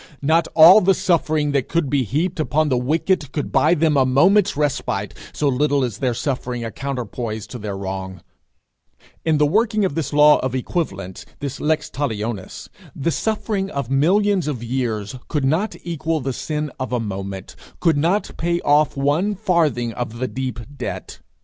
Not all the suffering that could be heaped upon the wicked could buy them a moment's respite, so little is their suffering a counterpoise to their wrong; in the working of this law of equivalents, this lex talionis, the suffering of millions of years could not equal the sin of a moment, could not pay off one farthing of the deep debt.